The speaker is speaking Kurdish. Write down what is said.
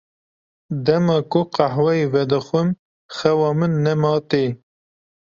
Dema ku qehweyê vedixwim xewa min nema tê.